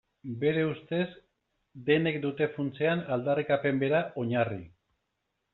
Bere ustez denek dute funtsean aldarrikapen bera oinarri.